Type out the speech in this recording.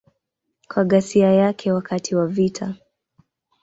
Kwa ghasia yake wakati wa vita.